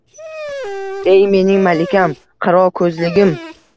Ey mening malikam, qaro ko`zligim